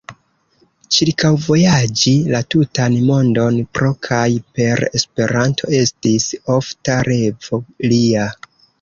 Ĉirkaŭvojaĝi la tutan mondon pro kaj per Esperanto estis ofta revo lia.